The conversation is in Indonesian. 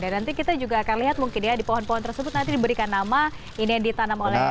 dan nanti kita juga akan lihat mungkin ya di pohon pohon tersebut nanti diberikan nama ini yang ditanam oleh presiden mun